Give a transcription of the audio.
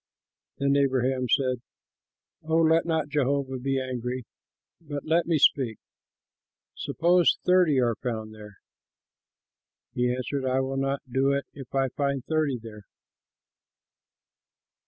Then Abraham said, "Oh, let not Jehovah be angry, but let me speak. Suppose thirty are found there?" He answered, "I will not do it, if I find thirty there."